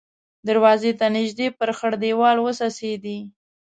دروازې ته نږدې پر خړ دېوال وڅڅېدې.